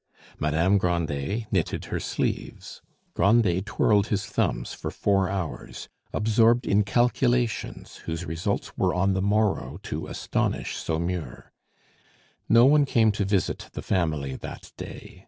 Madame Grandet knitted her sleeves. Grandet twirled his thumbs for four hours, absorbed in calculations whose results were on the morrow to astonish Saumur. No one came to visit the family that day.